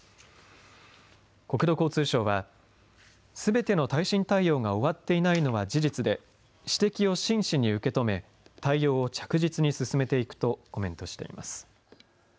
国土交通省はすべての耐震対応が終わっていないのは事実で、指摘を真摯に受け止め、対応を着実に進めていくとコメントしています。